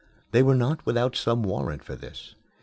They were not without some warrant for this.